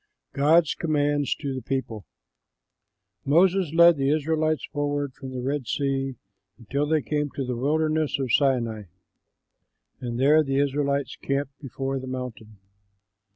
GOD'S COMMANDS TO THE PEOPLE Moses led the Israelites forward from the Red Sea until they came to the wilderness of Sinai, and there the Israelites camped before the mountain.